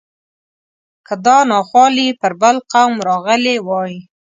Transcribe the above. که دا ناخوالې پر بل قوم راغلی وای.